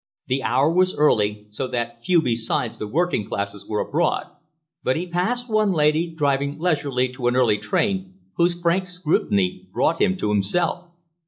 The hour was early, so that few besides the working classes were abroad, but he passed one lady driving leisurely to an early train whose frank scrutiny brought him to himself.